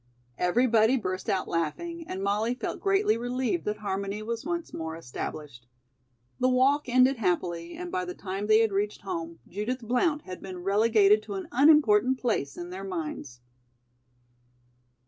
Everybody burst out laughing and Molly felt greatly relieved that harmony was once more established. The walk ended happily, and by the time they had reached home, Judith Blount had been relegated to an unimportant place in their minds.